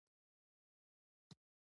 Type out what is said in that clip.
د بندولو لپاره دسیسې کړې وې.